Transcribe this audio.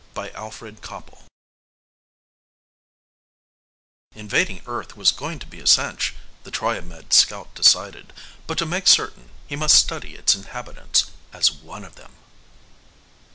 ] [Sidenote: Invading Earth was going to be a cinch, the Triomed scout decided. But to make certain he must study its inhabitants as one of them!